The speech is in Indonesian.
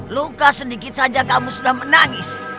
luka sedikit saja kamu sudah menangis